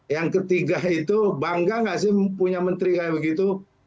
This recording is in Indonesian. yang ketiga itu bangga gak sih punya menteri kayak begitu